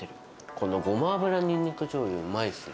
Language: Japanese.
このごま油にんにくじょうゆ、うまいですね。